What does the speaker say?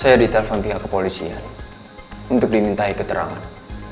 saya ditelepon pihak kepolisian untuk dimintai keterangan